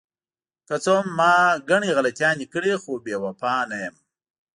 که څه هم ما ګڼې غلطیانې کړې، خو بې وفا نه یم.